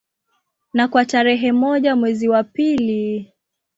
Na kwa tarehe moja mwezi wa pili